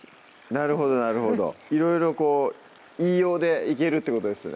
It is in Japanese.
なるほどなるほどいろいろ言いようでいけるってことですね